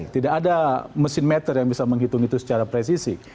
tidak ada mesin meter yang bisa menghitung itu secara presisi